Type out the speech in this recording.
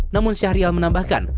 namun syahrial menambahkan